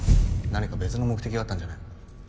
何か別の目的があったんじゃないのか？